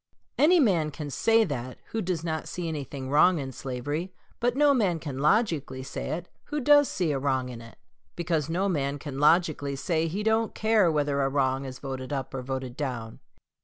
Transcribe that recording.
Any man can say that who does not see anything wrong in slavery, but no man can logically say it who does see a wrong in it; because no man can logically say he don't care whether a wrong is voted up or voted down.